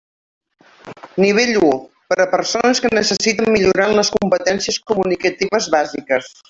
Nivell u, per a persones que necessiten millorar en les competències comunicatives bàsiques.